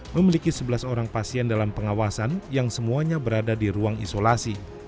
memiliki sebelas orang pasien dalam pengawasan yang semuanya berada di ruang isolasi